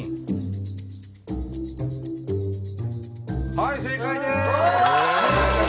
はい正解です。